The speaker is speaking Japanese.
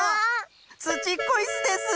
ツチッコイスです！